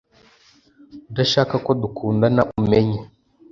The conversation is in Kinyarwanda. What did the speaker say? udashaka ko dukundana umenye